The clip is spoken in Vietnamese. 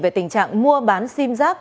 về tình trạng mua bán sim giáp